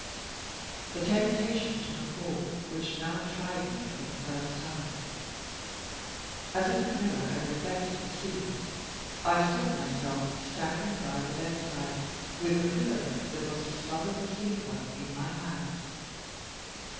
The temptation took a form which now tried me for the first time. As if a mirror had reflected the scene, I saw myself standing by the bedside, with the pillow that was to smother the sleeper in my hands.